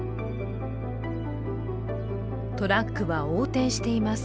トラックは横転しています。